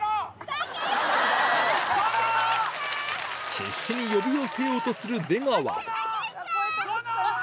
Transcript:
必死に呼び寄せようとする出川殿！